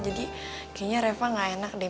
jadi kayaknya reva nggak enak deh